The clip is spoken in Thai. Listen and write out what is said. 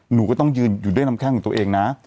หนูก็ต้องยืนอยู่ด้วยน้ำแข้งของตัวเองนะ